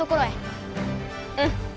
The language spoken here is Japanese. うん！